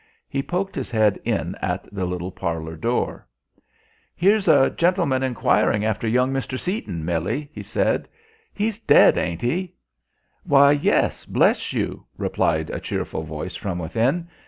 He poked his head in at the little parlour door. "Here's a gentleman enquiring after young Mr. Seaton, Millie," he said. "He's dead, ain't he?" "Why, yes, bless you," replied a cheerful voice from within.